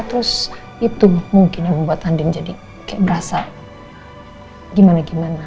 terus itu mungkin yang membuat andin jadi kayak berasa gimana gimana